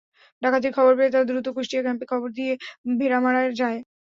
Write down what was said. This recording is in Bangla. ডাকাতির খবর পেয়ে তারা দ্রুত কুষ্টিয়া ক্যাম্পে খবর দিয়ে ভেড়ামারায় যায়।